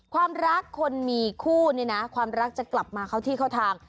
ความรักคนมีคู่เนี่ยนะความรักจะกลับมาเข้าที่เข้าทาง